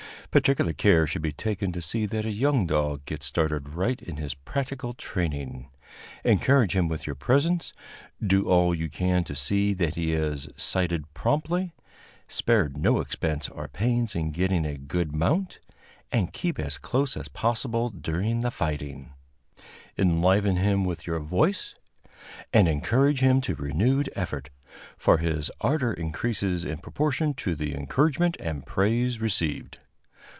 Particular care should be taken to see that a young dog gets started right in his practical training. Encourage him with your presence; do all you can to see that he is sighted promptly; spare no expense or pains in getting a good mount, and keep as close as possible during the fighting; enliven him with your voice, and encourage him to renewed effort; for his ardor increases in proportion to the encouragement and praise received.